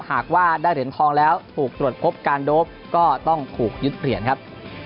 หากว่าได้เหรียญทองแล้วถูกตรวจพบการโดปก็ต้องถูกยึดเปลี่ยนครับ